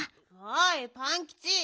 おいパンキチ。